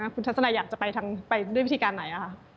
คุณทัศนัยอยากจะไปด้วยวิธีการไหน